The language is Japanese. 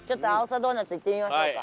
ドーナツいってみましょうか。